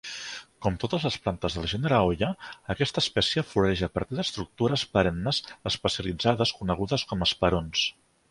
Com totes les plantes del gènere Hoya, aquesta espècie floreix a partir d'estructures perennes especialitzades conegudes com a esperons.